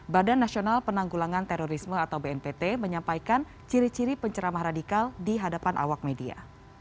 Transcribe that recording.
badan nasional penanggulangan terorisme atau bnpt menyampaikan ciri ciri penceramah radikal di hadapan awak media